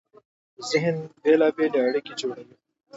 ذهن بېلابېلې اړیکې جوړوي.